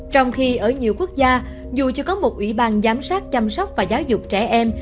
trong khi ở nhiều quốc gia dù chưa có một ủy ban giám sát chăm sóc và giáo dục trẻ em